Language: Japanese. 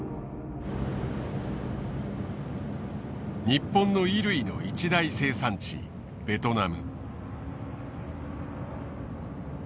日本の衣類の一大生産地ベトナム。